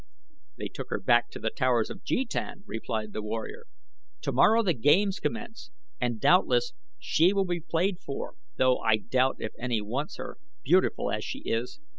"They took her back to The Towers of Jetan," replied the warrior. "Tomorrow the games commence and doubtless she will be played for, though I doubt if any wants her, beautiful as she is.